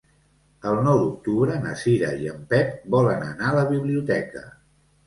El nou d'octubre na Cira i en Pep volen anar a la biblioteca.